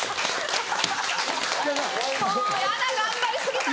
もうヤダ頑張り過ぎた。